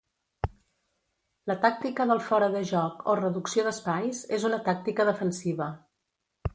La tàctica del fora de joc, o reducció d'espais, és una tàctica defensiva.